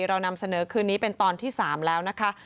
เรานำเสนอคืนนี้เป็นตอนที่๓แล้วนะคะ